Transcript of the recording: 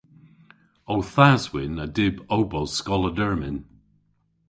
Ow thas -wynn a dyb ow bos skoll a dermyn.